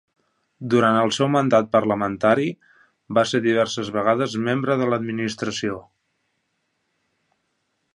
Durant el seu mandat parlamentari, va ser diverses vegades membre de l'administració.